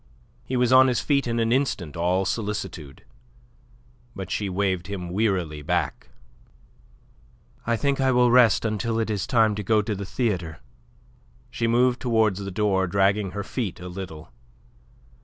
He was on his feet in an instant, all solicitude. But she waved him wearily back. "I think I will rest until it is time to go to the theatre." She moved towards the door, dragging her feet a little.